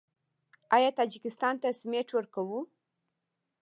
آیا تاجکستان ته سمنټ ورکوو؟